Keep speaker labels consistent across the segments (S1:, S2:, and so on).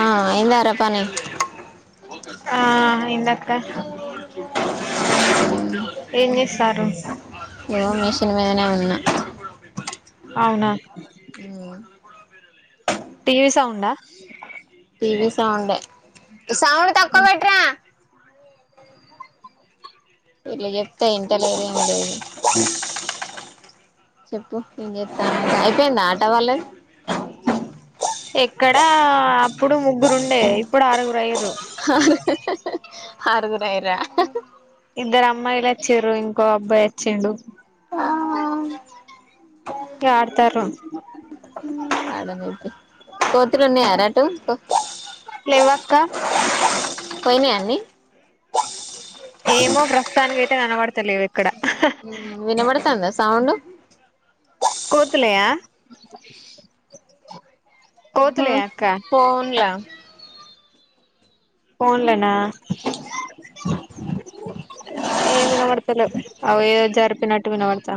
S1: ఆ అయిందారా పని
S2: ఆ
S1: ఒక
S2: ఇందక్క
S1: టైమ్ మనక వో వో
S2: ఏం చేస్తారు
S1: నేనే ఉన్న
S2: అవునా
S1: ఊమ్
S2: టీవీ సౌండ్ ‌ ఆ
S1: టీవీసౌండ్ యే సౌండ్ తక్కువ పెట్రా ఇట్ల చెప్తే ఇంటలేరు ఎంలేరు చెప్పు ఏం చేతనవ్ అయిపోయిందా ఆట వాళ్ళది
S2: ఎక్కడా అప్పుడు ముగ్గురు ఉండే ఇప్పుడు ఆరుగురు అయ్యరు
S1: ఆ ఆ ఆరు ఆగురయిరా
S2: ఇద్దరు అమ్మాయిలు వచ్చిర్రు ఇంకో అబ్బాయి వచ్చిండు ఇగ ఆడతారు
S1: ఊ ఆడనియి తీయ్ కోతులు ఉన్నాయి రా అటు
S2: లేవ్వ అక్క
S1: పోయినియా అన్నీ
S2: ఏమో ప్రస్తుతానికి అయితే కనబడతలేవు ఇక్కడ
S1: వినబడుతుందా సౌండ్
S2: కోతులాయా కోతులయాక్క
S1: ఫోన్ల
S2: ఫోన్లనా ఏం వినబడ అవి ఏదో జరిపినట్టు వి నబడతా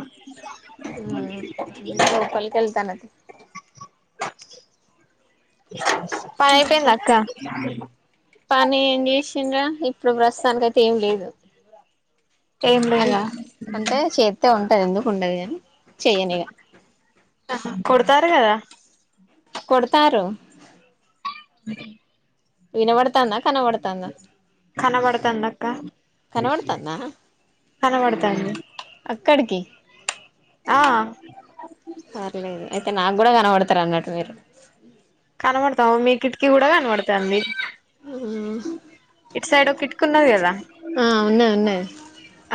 S1: లోపలికి వెళ్తనయ్
S2: పని అయిపోయింద అక్క
S1: పని ఏం చేసిండ్రా ఇప్పుడు ప్రస్తుతానికి ఐతే ఏం లేదు
S2: ఏం
S1: ఆన్
S2: లేదా
S1: అంటే చెత్తే ఉంటది ఎందుకుండదు కానీ చేయనిగా
S2: కుడతారు కదా
S1: కకుడతారు వినబడతాంద కనబడతాంద
S2: కనబడతాంది అక్క
S1: కనబడతాందా
S2: కనబడతాంది
S1: అక్కడికి
S2: ఆ
S1: పర్లేదు అయితే నాకు కూడా కనపడతారు అన్నట్టు మీరు
S2: కనబడతాము మీ కిటికీ కూడా కనబడతాండి ఇటు సైడ్ ఒక ఇట్కున్నది కదా
S1: ఆ ఉన్నది ఉన్నది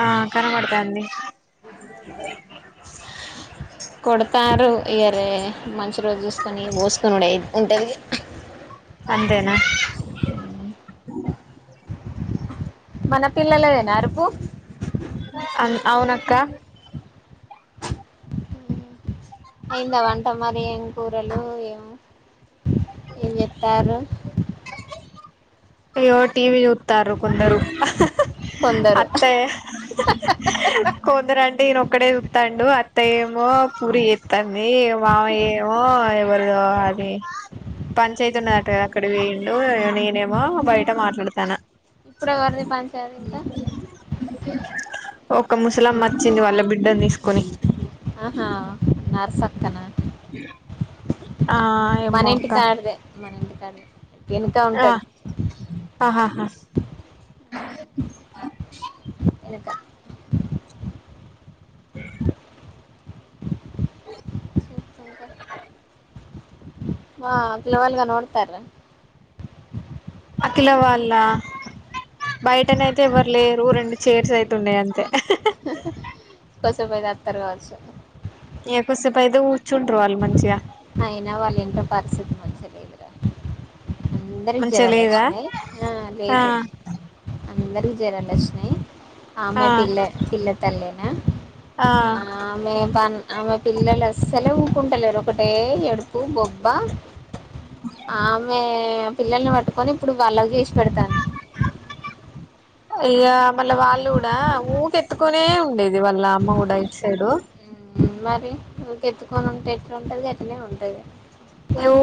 S2: ఆ కనబడుతాంది
S1: [inaudible] కొడతారు ఇయరే మంచి రోజు చూసుకొని పోసుకొననుడె ఉంటుంది
S2: అంతేనా
S1: మన పిల్లలదేనా అరుపు
S2: అ అవున అక్క
S1: అయింద వంట మరి ఏం కూరలు ఏం ఏం చెత్తార్ర
S2: అయ్యో టి వి చుత్తారు కొందరు
S1: కొందరు
S2: అత్తే కొందరు అంటే ఈయనొక్కడే చుత్తండు అత్తయ్యెమో పూరి చేత్తాంది మావయ్య ఏమో ఎవరు అది. పంచాయిత ఉన్నదటటు కదా అక్కడ వేయిండు నేనేమో బయట మాట్లాడతాన.
S1: ఇప్పుడు ఎవరిది పంచాయితీ ఇంత.
S2: ఒక ముసలమ్మ వచ్చింది వాళ్ళ బిడ్డన్ తీసుకొని.
S1: ఆహా. నర్సక్క నా.
S2: [inaudible] ఆ
S1: మన
S2: ఏమో
S1: ఇంటికి
S2: అక్క
S1: కాడదే మన ఇంటికా ఆడదే వెనుక
S2: ఆ
S1: ఉంటది.
S2: ఆహాహా.
S1: ఎనుక.
S2: [inaudible]
S1: ఇంకా ఆ పిల్లవాళ్ళు కనబడుతారు.
S2: ఆ పిల్లవాళ్ల. బయటన అయితే ఎవరులేరు రెండు చైర్స్ అయితున్నాయి అంతే.
S1: కోసంపోయి త అతారు కావచ్చు.
S2: ఇకుసేపుయితే కూర్చుంటారు వాళ్ళు మంచిగా.
S1: అయినా వాళ్ళ ఇట్ పరిస్థితి మంచిలేదురా. అందరి
S2: మంచిగా
S1: జరాలు
S2: లేదా
S1: వచ్చినాయి ఆ లేదు. అందరికి జ్వరాలొచ్చినాయి.
S2: ఆ
S1: ఆమె పిల్ల పిల్ల తల్లేనా ఆ. ఆమె ప ఆమె పిల్లలు అస్సలే ఊకుంటలేరు ఒకటే ఎడుపు బొబ్బా. ఆమె పిల్లల్ని పట్టుకొని ఇప్పుడు వాళ్ళగా చేసి పెడతాన్.
S2: అయ్యో మళ్ళ వాళ్ళు కూడా ఊకెత్కుకొనే ఉండేది వాళ్ళ అమ్మ కూడా ఇట్ సైడు.
S1: మరి ఊకె ఎత్తుకొని ఉంటే ఎట్ంటది గట్నే ఉంటది.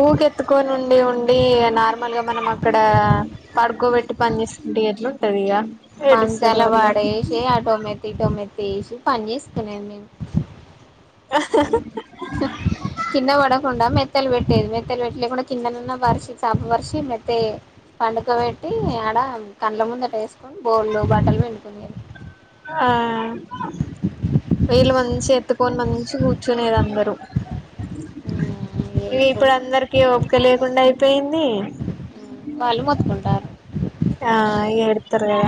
S2: ఊకెత్తుకొని ఉండి ఉండి నార్మల్గా మనం అక్కడ. పడుకోబెట్టి పనిచేస్తుంటే ఎట్లు ఉంటంది ఇక.
S1: మంచాలా వాడ వేసి ఆ టొమతి టొమతి వేసి పని చేస్తున్నాను నేను.
S2: ఆ
S1: కింద పడకుండా మెత్తలు పెట్టేది మెత్తలు పెట్లే కూడా కిందనన్న పరిశి చాప బరిసి మెత్త. పండుక పెట్టి ఆడ కండ్ల ముందట వేసుకొని బోల్లు బట్టలు వండుకునే.
S2: ఆ. వీళ్ళు మంచిగాఎత్తుకొని మంచిగా కూర్చునేది అందరూ. ఇప్పుడు అందరికిీ ఓపిక లేకుండా అయిపోయింది.
S1: వాళ్ళు మొతుకుంటారు.
S2: ఆ ఏడుస్తారు కదా.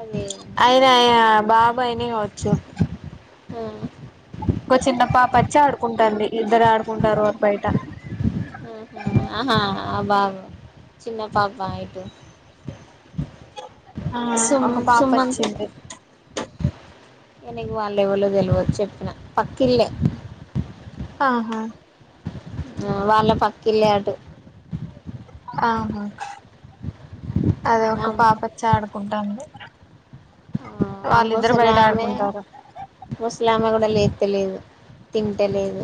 S1: అదే.
S2: అయిన బాబాయినే వచ్చు.
S1: ఆ.
S2: ఓ చిన్న పాప వచ్చి ఆడుకుంటాది ఇద్దరు ఆడుకుంటారు బయట.
S1: ఉహు ఆహా ఆ బాబు చిన్న పాప ఇటు.
S2: ఆ
S1: సుమ్
S2: ఒక పాప
S1: సుమంత్.
S2: వచ్చింది
S1: ఇయనకి వాళ్లు ఎవలో తెలియదు చెప్పిన పక్కిళ్లే.
S2: ఆహా
S1: ఆ వాళ్ళ పక్కిల్లే అటు
S2: ఆహా, అదే ఒక
S1: ఆమ్
S2: పాప వచ్చి ఆడుకుంటాంది. వాళ్ళిద్దరూ బయట ఆడుకుంటారు.
S1: ముసలామ కూడా లేత్తలేదు తింటలేదు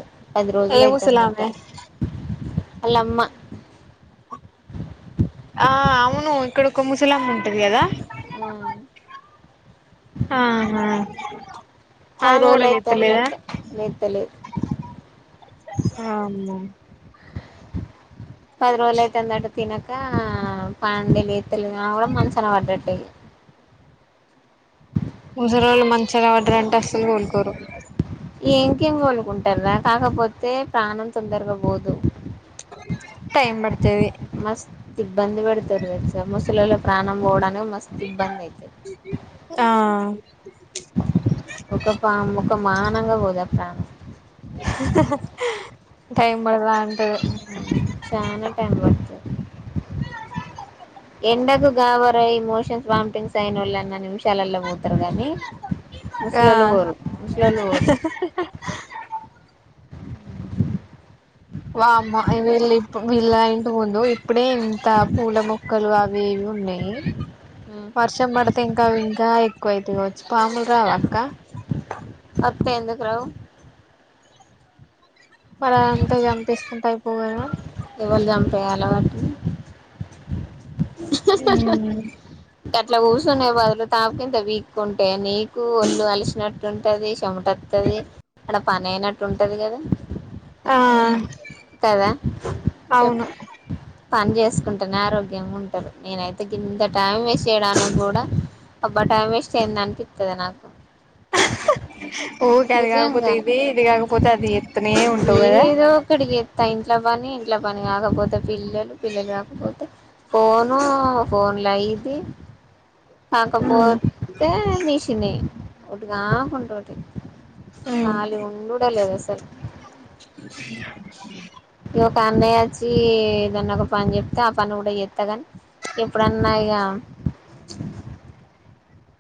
S2: ఏ
S1: పదిరోజులు అయితుందంట.
S2: ముసలామె
S1: ఆళ్ళమ్మ
S2: ఆ అవును ఇక్కడ ఒక ముసలామ ఉంటది కదా.
S1: ఆ
S2: ఆహా ఆమె కూడా
S1: పదిరోజులు అయితాందంట, లేత్తలేదు
S2: అమే
S1: పది రోజులు అయితుందట తినక, పండి లేస్తలేదు ఆమె కూడా మంచాన పడ్డట్టే ఇక
S2: ముసలోళ్ళు మంచానపడ్డరంటే అస్సలు కోలుకోరు.
S1: ఇంకేం కోలుకుంటారురా, కాకపోతే ప్రాణం తొందరగా పోదు.
S2: టైమ్ పడతది
S1: మస్తు ఇబ్బంది పెడతారు తెలుసా, ముసలోళ్ళ ప్రాణం పోవడానికి మస్తు ఇబ్బంది అయితది.
S2: ఆ
S1: ఒక పా ఒక మానంగా పోదా ప్రాణం
S2: హహ్హ టైం పడతద అంటరు.
S1: చానా టైం పడుతది. ఎండకు గావరయి మోషన్స్ వామిటింగ్స్ అయినోళ్ళన్నా నిమిషాలల్లో పోతారు గానీ ముసలోళ్ళు పోరు, ముసలోళ్లు పోరు
S2: అ వామ్మో వీళ్ళు వీళ్ళ ఇంటి ముందు ఇప్పుడే ఇంత పూలమొ క్కలు అవి ఇవి ఉన్నాయి. వర్షం పడితే ఇంకా ఇంకా ఎక్కువయితాయి కావచ్చు, పాములు రావా అక్కా?
S1: వస్తాయి, ఎందుకు రావు?
S2: మరి అది అంతా కన్పిస్తుంటే అయిపోవు కదా.
S1: ఎవళు చంపేయాలో వాటిని హహ్హ హహ్హ అట్లా కూసునే బదులు, తాపకింత పీక్కుంటే నీకు ఒళ్ళు అలిసినట్టు ఉంటది, చెమట వస్తది, అక్కడ పని అయినట్టు ఉంటది కదా.
S2: ఆ
S1: కదా,
S2: అవును
S1: చెప్పు. పని చేసుకుంటేనే ఆరోగ్యంగా ఉంటారు. నేనైతే గింత టైం వేస్ట్. చేయడానికి కూడా అబ్బా టైం వేస్ట్ అయ్యిందని అనిపిస్తది నాకు.
S2: ఊకే అది కాకపోతే
S1: నిజంగా
S2: ఇది, ఇది కాకపోతే అది చెప్తనే ఉంటావు కదా.
S1: ఏదో ఒకటి చేస్తా, ఇంట్లో పని, ఇంట్లో పని కాకపోతే పిల్లలు, పిల్లలు కాకపోతే ఫోను ఫోన్ లో అయిద్ది, కాకపోతే మిష్ చిని, ఒకటి గాకుంటే ఒకటి
S2: ఉమ్
S1: ఖాళీ ఉండుడ లేదసలు ఇ ఒక అన్నయ్య వచ్చి ఏదన్నా ఒక పని చెప్తే ఆ పని కూడా చేస్తా గాని ఎప్పుడన్నా ఇక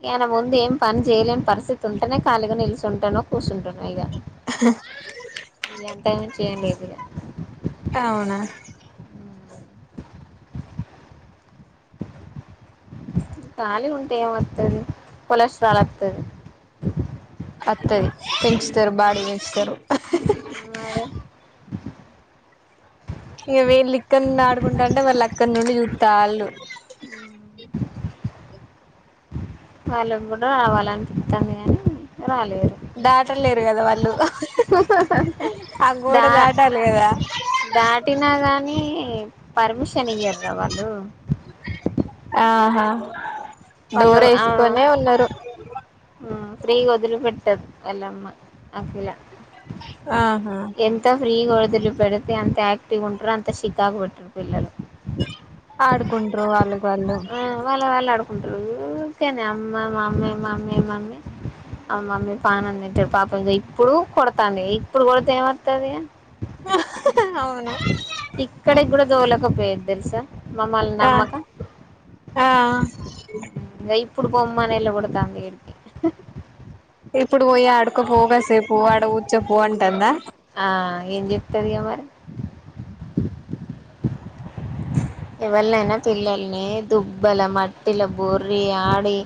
S1: ఆయన ముందు ఏం పని చేయలేని పరిస్థితి ఉంటేనే ఖాళీగా నిలిచుంటానో కూర్చుంటాను ఇగ
S2: హ
S1: ఈ అంతకుమించి ఏంలేదిక
S2: అవునా
S1: ఖాాలి ఉంటె ఏం వస్తాది కొలెస్ట్రాల్ వస్తాది
S2: వత్తది పెంచుతారు బాడి పెంచుతారు
S1: మరి
S2: ఇంక వీళ్ళు ఇక్క ఆడుకుంటా ఉంటే మళ్ళీ అక్కడి నుండి చూతాళ్ళు [inaudible]
S1: వాళ్ళకి కూడ రావాలని [unintelligible] కాని రాలేరు
S2: దాటలేరు కదా వాళ్ళు ఆ
S1: [unintelligible]
S2: గోడ దాటాలి కదా
S1: దాటినా గాని పర్మిషన్ ఇయ్యరు ర వాళ్ళు
S2: ఆహా
S1: వాళ్ళు
S2: డోర్ వేసుకొనే ఉన్నారు
S1: హమ్ ఫ్రీ గా వదిలి పెట్టదు వాళ్ళ అమ్మా అసల
S2: ఆహా
S1: ఎంత ఫ్రీగా వదిలి పెడితే అంత యాక్టివ్గ ఉంటారు అంత షికాకు పెట్టరు పిల్లలు
S2: ఆడుకు [unintelligible] రు వాళ్ళకి వాళ్ళు
S1: ఆ వాళ్ళ వాళ్ళ ఆడుకుంటారు ఊరికి [unintelligible] అమ్మా మమ్మీ మమ్మి మమ్మీ ఆ మమ్మీ పానందంట పాప ఇప్పుడు కొడతాంది ఇప్పుడు కొడితే ఏమోతాది
S2: అవును
S1: ఇక్కడకి కూడ దోలేకపోయేది తెలుస మమ్మల్ని
S2: ఆ
S1: నమ్మక
S2: ఆ
S1: ఇంక ఇప్పుడు పోమ్మని [unintelligible]
S2: ఇప్పుడు పోయి ఆడుకోపో కాసేపు ఆడ కూర్చోపో అంటుంద
S1: ఆ ఏం చెప్తాది ఇగ మరి ఎవలైన పిల్లల్ని దుబ్బల మట్టిల బొర్రి ఆడి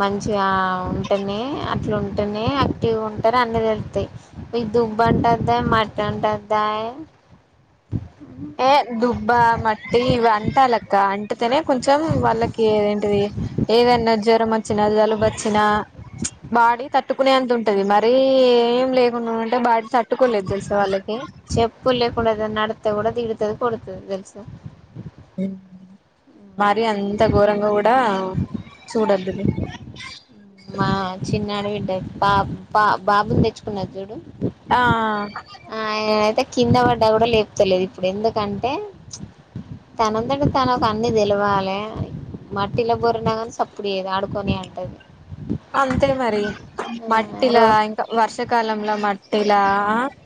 S1: మంచిగా ఉంటేనే అట్ల ఉంటేనే యాక్టివ్గ ఉంటారు అన్నీ తెలుస్తాయి [unintelligible] [unintelligible]
S2: ఏ దుబ్బా మట్టి ఇవి అంటలక్క అంటీతేనే కొంచెం వాళ్ళకి ఏదేంటిది ఏదన జ్వరం వచ్చినా జలుబు వచ్చిన బాడీ తట్టుకునే అంత ఉంటాది మరీ ఏం లేకుండా ఉంటే బాడీ తట్టుకోలేదు తెలుస వాళ్ళకి
S1: చెప్పులు లేకుండ ఏదైనా నడితే కూడ తిడతాడు కొడతది తెలుస
S2: మరి అంత ఘోరంగా కూడ చూడోదుల్లే
S1: మా చిన్న ఆడ [unintelligible] బ బ బాబుని తెచ్చుకున్నారు చూడు
S2: ఆ
S1: ఆయన అయితే కింద పడ్డ కూడ లేపుతలేదు ఇప్పుడు ఎందుకంటే తనంతట తనకి అన్ని తెలివాలే అని మట్టిలో బోర్లిన కానీ సప్పుడు చేయదు ఆడుకొని అంటాది
S2: అంతే మరి
S1: ఆ
S2: మట్టిల
S1: రో
S2: ఇంక వర్షాకాలంలో మ [unintelligible]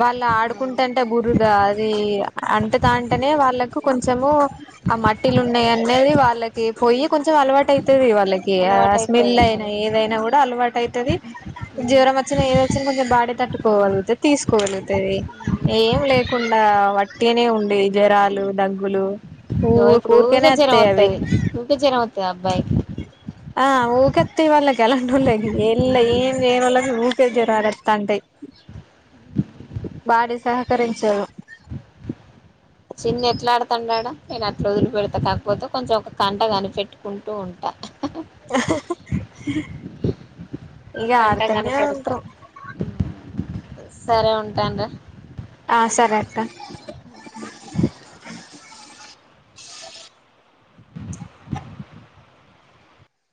S2: వాళ్ళు ఆడుకుంటేంటే బురుదా అది అంటే దానంటనే వాళ్ళకు కొంచెం కొంచము ఆ మట్టిలు ఉన్నాయి అనేది వాళ్ళకి పోయి కొంచెం అలవాటు [unintelligible] [unintelligible] వాళ్ళకి ఆ
S1: అలవాటు
S2: స్మెల్
S1: అయితది
S2: అయినా
S1: మరి
S2: ఏదైనా కూడ అలవాటు అయితాది జ్వరం [unintelligible] ఏది వచ్చిన కొంచెం బాడీ తట్టుకోగలుగుతాది తీసుకోగలుగుతాది ఏం లేకుండ వట్టినే ఉండి జ్వరాలు దగ్గులు [unintelligible] ఊర్కనే వత్తయి అవి
S1: ఇ జనా మత్తద అబ్బాయి [unintelligible]
S2: ఆ ఊకెత్త వాళ్ళకి ఎలాంటిళ్ళ ఎళ్ళ ఏం
S1: అబ్బాయికి
S2: లేని వాళ్ళకి ఊకే జరాల వత్తంటయి బాడీ సహకరించదు
S1: చిన్ను ఎట్లా ఆడుతాండడా నేను అట్లా వదిలి పెడుతా కాకపోతే కొంచెం ఒక కంట కనిపెట్టుకుంటూ ఉంటా ఒ
S2: ఇగ
S1: కంట
S2: ఆడుతనే
S1: కనిపెడుతా
S2: ఉంట్రు
S1: సరే ఉంటాన్రా
S2: ఆ సరే అక్క
S1: అ